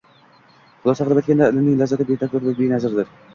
Xulosa qilib aytganda, ilmning lazzati bеtakror va bеnazirdir